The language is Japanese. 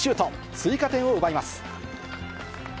追加点を奪います。